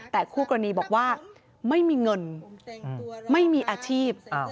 แต่คู่กรณีบอกว่าไม่มีเงินไม่มีอาชีพ